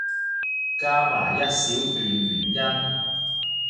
加埋一小段原因